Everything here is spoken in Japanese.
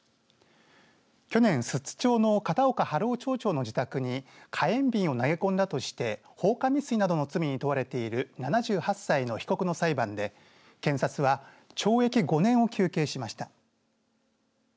去年、寿都町の片岡春雄町長の自宅に火炎びんを投げ込んだとして放火未遂などの罪に問われている７８歳の被告の裁判で検察は懲役５年を求刑しました。